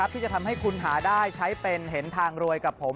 ที่จะทำให้คุณหาได้ใช้เป็นเห็นทางรวยกับผม